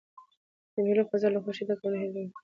د مېلو فضا له خوښۍ ډکه او نه هېردونکې يي.